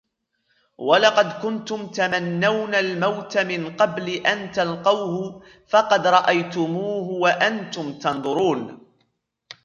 وَلَقَدْ كُنْتُمْ تَمَنَّوْنَ الْمَوْتَ مِنْ قَبْلِ أَنْ تَلْقَوْهُ فَقَدْ رَأَيْتُمُوهُ وَأَنْتُمْ تَنْظُرُونَ